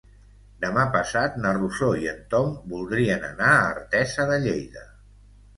Demà passat na Rosó i en Tom voldrien anar a Artesa de Lleida.